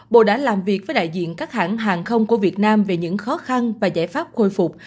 bộ đã làm việc với đại diện các hãng hàng không của việt nam về những khó khăn và giải pháp khôi phục